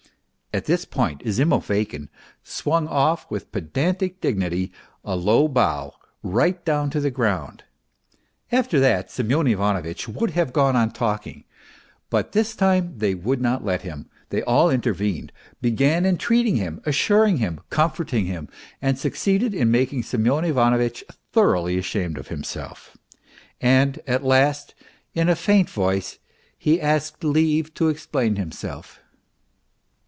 " At this point Zimoveykin swung off with pedantic dignity a low bow right down to the ground. After that Semyon Ivanovitch would have gone on talking; but this time they would not let him, they all intervened, began entreating him, assuring him, comforting him, and succeeded in making Semyon Ivanovitch thoroughly ashamed of himself, and at last, in a faint voice, he asked leave to explain himself.